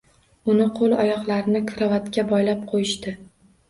Uni qoʻl oyoqlarini krovatga boylab qoʻyishdi.